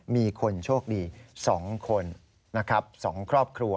มีคนโชคดี๒คนนะครับ๒ครอบครัว